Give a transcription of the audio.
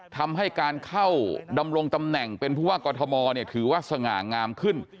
ทำให้การเข้าดำรงตำแหน่งเป็นผู้ว่ากอทมถือว่าสง่างามขึ้น